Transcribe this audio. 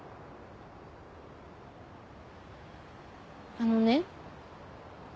あのね。